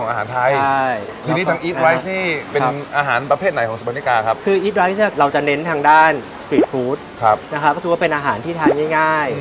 ก็คือเป็นอาหารที่ทานง่าย